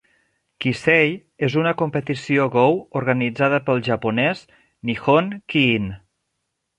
Kisei és una competició Go organitzada pel japonès Nihon Ki-in.